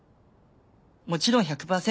もちろん１００％